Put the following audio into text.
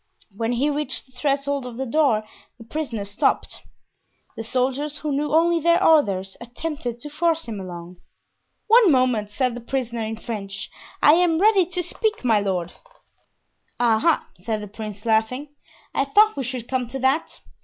When he reached the threshold of the door the prisoner stopped. The soldiers, who knew only their orders, attempted to force him along. "One moment," said the prisoner, in French. "I am ready to speak, my lord." "Ah! ah!" said the prince, laughing, "I thought we should come to that.